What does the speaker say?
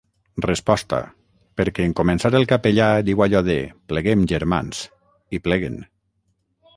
Resposta: perquè en començar el capellà diu allò de "pleguem, germans"; i pleguen.